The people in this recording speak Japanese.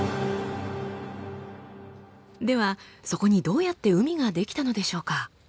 ではそこにどうやって海が出来たのでしょうか？